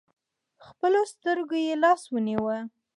خپلو سترکو تې لاس ونیوئ .